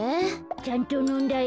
ちゃんとのんだよ。